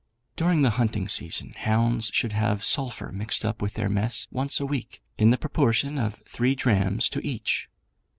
During the hunting season hounds should have sulphur mixed up with their mess once a week, in the proportion of 3 drachms to each.